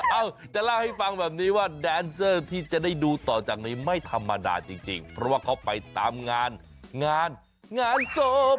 เอ้าจะเล่าให้ฟังแบบนี้ว่าแดนเซอร์ที่จะได้ดูต่อจากนี้ไม่ธรรมดาจริงเพราะว่าเขาไปตามงานงานศพ